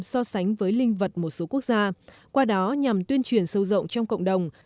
so sánh với linh vật một số quốc gia qua đó nhằm tuyên truyền sâu rộng trong cộng đồng